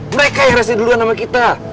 mereka yang rasa duluan sama kita